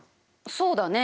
そうだね。